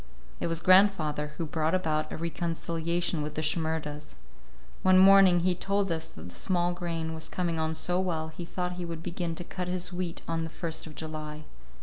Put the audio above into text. It was grandfather who brought about a reconciliation with the Shimerdas. One morning he told us that the small grain was coming on so well, he thought he would begin to cut his wheat on the first of July.